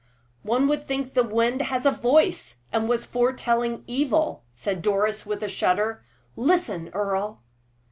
"One would think the wind had a voice, and was foretelling evil," said Doris, with a shudder. "Listen, Earle!"